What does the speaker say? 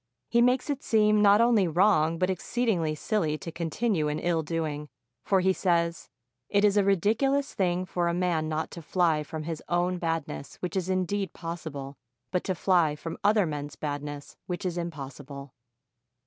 He makes it seem not only wrong, but exceedingly silly to continue in ill doing, for he says, "It is a ridiculous thing for a man not to fly from his own badness, v/hich is indeed possible, but to fly from other men's badness, which is impossible."